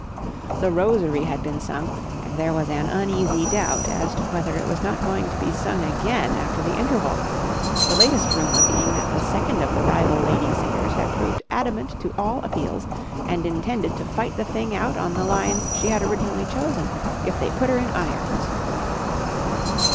"The Rosary" had been sung and there was an uneasy doubt as to whether it was not going to be sung again after the interval—the latest rumour being that the second of the rival lady singers had proved adamant to all appeals and intended to fight the thing out on the lines she had originally chosen if they put her in irons.